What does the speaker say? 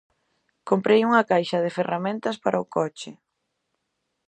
Comprei unha caixa de ferramentas para o coche.